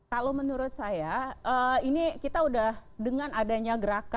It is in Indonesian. kalau menurut saya ini kita udah dengan adanya gerakan